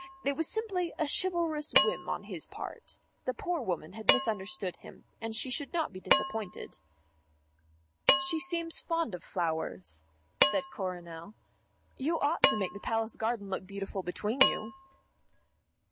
It was simply a chivalrous whim on his part. The poor woman had misunderstood him, and she should not be disappointed. "She seems fond of flowers," said Coronel. "You ought to make the Palace garden look beautiful between you."